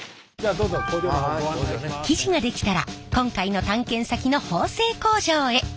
生地ができたら今回の探検先の縫製工場へ。